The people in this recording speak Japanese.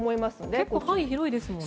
結構、範囲広いですね。